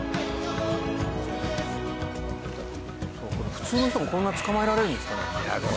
普通の人もこんな捕まえられるんですかね？